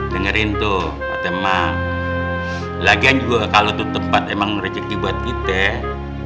dengerin tuh emang lagian juga kalau itu tempat emang rezeki buat kita